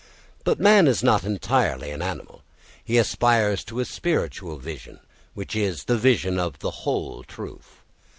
But man is not entirely an animal. He aspires to a spiritual vision, which is the vision of the whole truth.